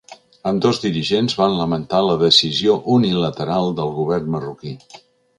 Ambdós dirigents van lamentar la ‘decisió unilateral’ del govern marroquí.